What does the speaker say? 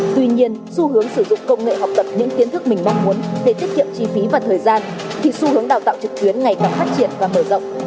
tuy nhiên xu hướng sử dụng công nghệ học tập những kiến thức mình mong muốn để tiết kiệm chi phí và thời gian thì xu hướng đào tạo trực tuyến ngày càng phát triển và mở rộng